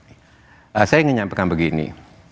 saya ingin menyampaikan begini